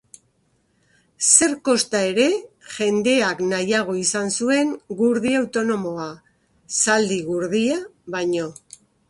Zer kosta ere, jendeak nahiago izan zuen gurdi autonomoa, zaldi-gurdia baino.